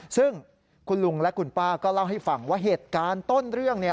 ซึ่งคุณลุงและคุณป้าก็เล่าให้ฟังว่าเหตุการณ์ต้นเรื่องเนี่ย